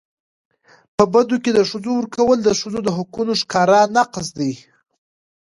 په بدو کي د ښځو ورکول د ښځو د حقونو ښکاره نقض دی.